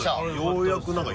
ようやく何か。